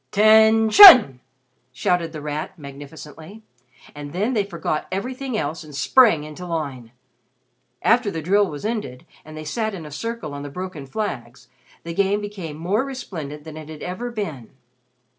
"'Tention!" shouted The Rat, magnificently. And then they forgot everything else and sprang into line. After the drill was ended, and they sat in a circle on the broken flags, the Game became more resplendent than it had ever been.